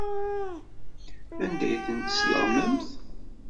Anda ay tent-tesleɣmamt?